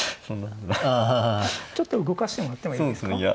ちょっと動かしてもらってもいいですか。